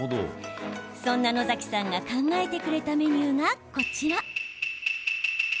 そんな野崎さんが考えてくれたメニューがこちら。